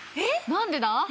何でだ？